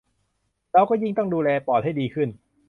เราก็ยิ่งต้องดูแลปอดให้ดีขึ้น